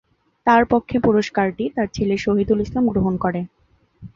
তার পক্ষে পুরস্কারটি তার ছেলে শহিদুল ইসলাম গ্রহণ করে।